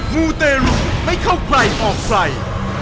มูเตรุไม่เข้าใกล้ออกฝ่าย